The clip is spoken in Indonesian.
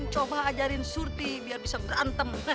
coba ajarin surti biar bisa berantem